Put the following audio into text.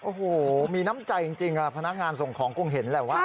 โอ้โหมีน้ำใจจริงพนักงานส่งของคงเห็นแหละว่า